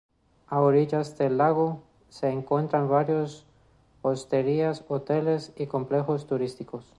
A orillas del lago, se encuentran varios hosterías, hoteles y complejos turísticos.